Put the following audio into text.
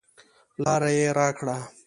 لاره یې راکړه.